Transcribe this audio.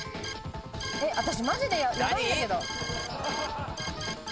私マジでヤバいんだけど。